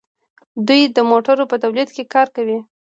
دوی د موټرو په تولید کې کار کوي.